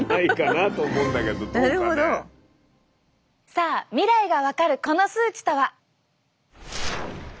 さあ未来が分かるこの数値とは。